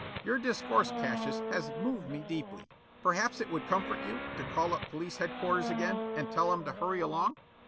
Your discourse, Cassius, has moved me deeply. Perhaps it would comfort you to call up police headquarters again and tell 'em to hurry along?"